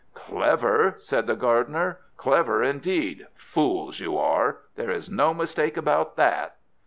"Clever!" said the gardener. "Clever indeed! Fools you are, there is no mistake about it."